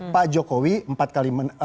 pak jokowi empat kali